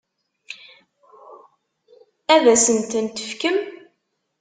Ad asen-ten-tefkemt?